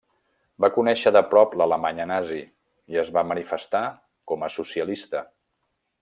Va conèixer de prop l'Alemanya nazi i es va manifestar com a socialista.